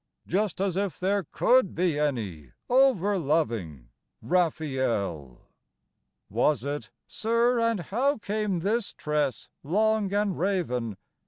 Just as if there could be any Over loving, Raphael! Was it, "Sir, and how came this tress, Long and raven?